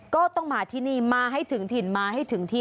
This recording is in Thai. ก็ต้องมาที่นี่มาให้ถึงถิ่นมาให้ถึงที่